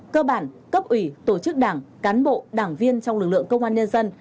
cơ bản cấp ủy tổ chức đảng cán bộ đảng viên trong lực lượng công an nhân dân